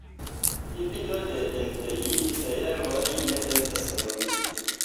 Divido de entjeroj ne estas fermita.